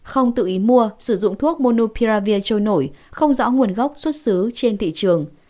không tự ý mua sử dụng thuốc monopia trôi nổi không rõ nguồn gốc xuất xứ trên thị trường